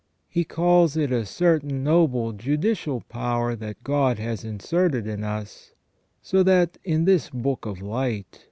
He calls it "a certain noble judicial power that God has inserted in us, so that in this book of light, which * S.